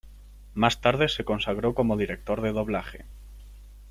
Más tarde se consagró como director de doblaje.